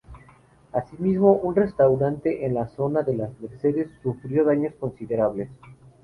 Asimismo un restaurante en la zona de "Las Mercedes" sufrió daños considerables.